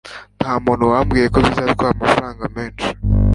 Nta muntu wambwiye ko bizatwara amafaranga menshi